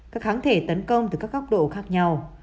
các kháng thể tấn công từ các góc độ khác nhau